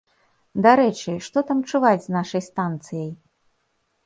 Дарэчы, што там чуваць з нашай станцыяй?